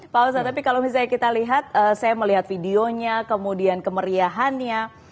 pak oso tapi kalau misalnya kita lihat saya melihat videonya kemudian kemeriahannya